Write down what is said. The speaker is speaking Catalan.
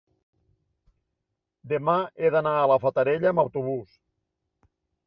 demà he d'anar a la Fatarella amb autobús.